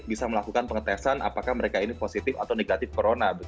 bisa melakukan pengetesan apakah mereka ini positif atau negatif corona